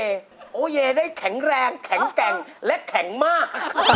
จริงแล้วชอบมากตรงโอเยโอเยได้แข็งแรงแข็งแกร่งและแข็งมาก